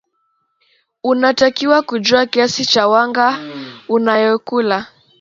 unatakiwa kujua kiasi cha wanga unayokula